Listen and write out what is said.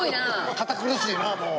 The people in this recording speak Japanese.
堅苦しいなもう。